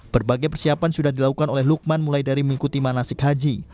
berbagai persiapan sudah dilakukan oleh lukman mulai dari mengikuti manasik haji